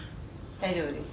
大丈夫です。